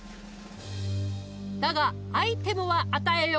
だがアイテムは与えよう。